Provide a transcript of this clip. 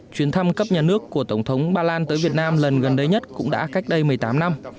chuyến thăm cấp nhà nước của tổng thống ba lan tới việt nam lần gần đây nhất cũng đã cách đây một mươi tám năm